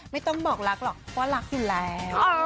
ไม่ต้องบอกรักหรอกว่ารักอยู่แล้ว